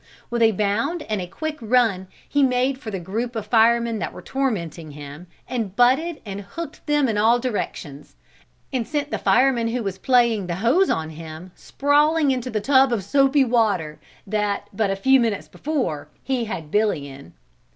With a bound and a quick run he made for the group of firemen that were tormenting him and butted and hooked them in all directions, and sent the fireman who was playing the hose on him sprawling into the tub of soapy water that but a few minutes before he had Billy in.